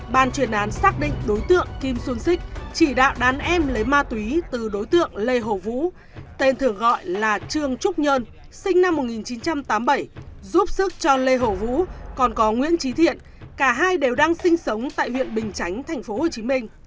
ban chuyên án xác định đối tượng kim xuân xích chỉ đạo đàn em lấy ma túy từ đối tượng lê hồ vũ tên thường gọi là trương trúc nhơn sinh năm một nghìn chín trăm tám mươi bảy giúp sức cho lê hồ vũ còn có nguyễn trí thiện cả hai đều đang sinh sống tại huyện bình chánh tp hcm